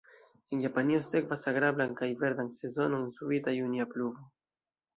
En Japanio sekvas agrablan kaj verdan sezonon subita junia pluvo.